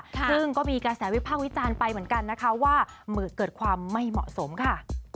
ซึ่งก็มีกระแสวิภาควิจารณ์ไปเหมือนกันนะคะว่าเกิดความไม่เหมาะสมค่ะ